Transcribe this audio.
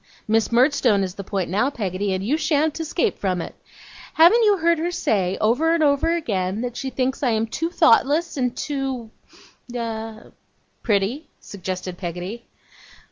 Miss Murdstone is the point now, Peggotty, and you sha'n't escape from it. Haven't you heard her say, over and over again, that she thinks I am too thoughtless and too a a ' 'Pretty,' suggested Peggotty.